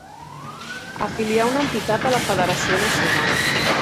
Afiliar una entitat a la federació nacional.